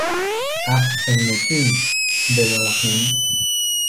กัลฟ์ เอ็นเนอร์จี ดีเวลลอปเมนท์